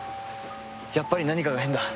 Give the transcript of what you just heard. やっぱり何かが変だ。